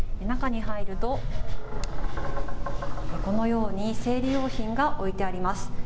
中に入ると、このように、生理用品が置いてあります。